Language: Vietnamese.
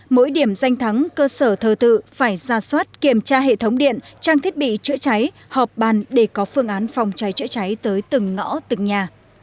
mỗi điểm danh thắng cơ sở thờ tự phải ra soát kiểm tra hệ thống điện trang thiết bị chữa cháy họp bàn để có phương án phòng cháy chữa cháy tới từng ngõ từng nhà